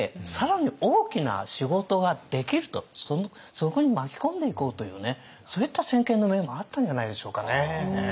そこに巻き込んでいこうというねそういった先見の明もあったんじゃないでしょうかね。